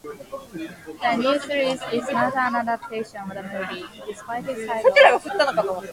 The new series is not an adaptation of the movie, despite its title.